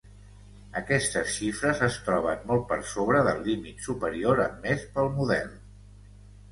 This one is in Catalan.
Aquestes xifres es troben molt per sobre del límit superior admès pel model.